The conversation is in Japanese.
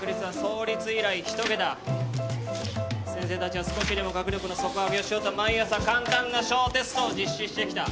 先生たちは少しでも学力の底上げをしようと毎朝簡単な小テストを実施してきた。